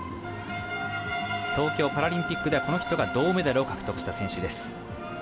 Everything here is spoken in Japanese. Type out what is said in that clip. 東京パラリンピックではこの人が銅メダルを獲得した選手です。